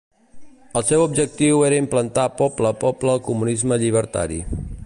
El seu objectiu era implantar poble a poble el comunisme llibertari.